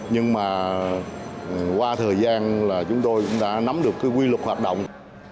nhưng mà qua thời gian là chúng tôi cũng đã nắm được cái quy luật hoạt động